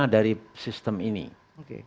dari sistem ini oke